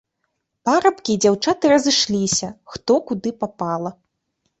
Парабкі і дзяўчаты разышліся, хто куды папала.